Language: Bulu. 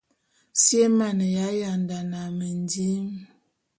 Si é mane yandane a mendim.